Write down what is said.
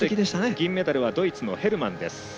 銀メダルはドイツのヘルマン。